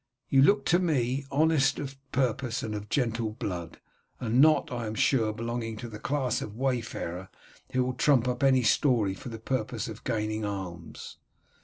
You look to me honest of purpose and of gentle blood, and not, I am sure, belonging to the class of wayfarer who will trump up any story for the purpose of gaining alms.